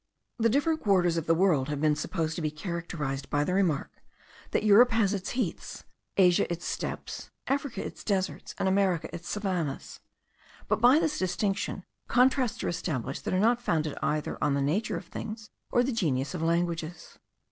The different quarters of the world have been supposed to be characterized by the remark, that Europe has its heaths, Asia its steppes, Africa its deserts, and America its savannahs; but by this distinction, contrasts are established that are not founded either on the nature of things, or the genius of languages.